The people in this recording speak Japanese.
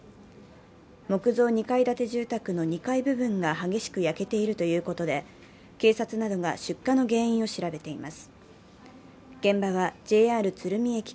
木造２階建て住宅の２階部分が激しく焼けているということで、警察などが出火の原因を調べています。